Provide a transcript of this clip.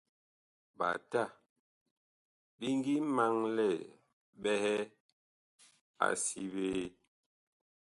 Ɓata bi ngi maŋlɛɛ ɓɛhɛ a si biee.